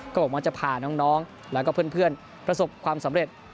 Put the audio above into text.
ก็บอกว่าจะพาน้องแล้วก็เพื่อนประสบความสำเร็จ